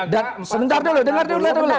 dan sebentar dulu dengar dulu